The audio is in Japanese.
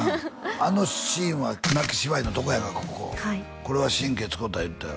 あのシーンは泣き芝居のとこやがこここれは神経使うた言ってたよ